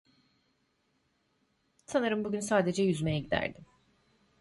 Sanırım bugün sadece yüzmeye giderdim